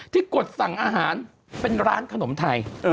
กดสั่งอาหารเป็นร้านขนมไทย